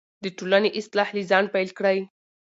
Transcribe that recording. د ټولنې اصلاح له ځانه پیل کړئ.